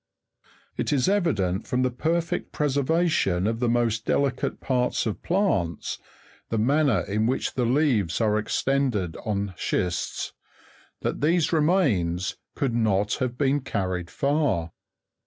It is evident from the perfect preservation of the most delicate parts of plants, the manner in which the leaves are extended on schists, that these remains could not have been carried far.